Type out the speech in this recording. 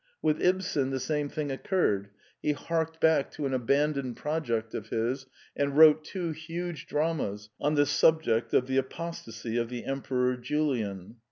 With Ibsen the same thing occurred: he harked back to an abandoned project of his, and wrote two huge dramas on the sub ject of the apostasy of the Emperor Julian.